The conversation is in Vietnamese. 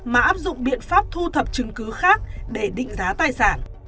mà áp dụng biện pháp thu thập chứng cứ khác để định giá tài sản